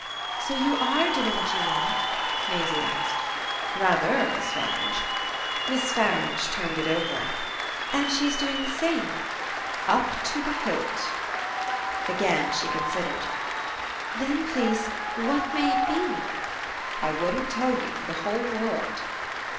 "So you ARE doing what you want?" Maisie asked. "Rather, Miss Farange!" Miss Farange turned it over. "And she's doing the same?" "Up to the hilt!" Again she considered. "Then, please, what may it be?" "I wouldn't tell you for the whole world."